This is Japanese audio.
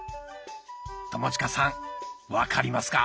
友近さん分かりますか？